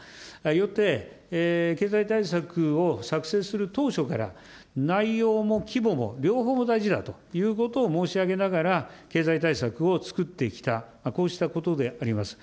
よって、経済対策を作成する当初から、内容も規模も両方大事だということを申し上げながら、経済対策をつくってきた、こうしたことであります。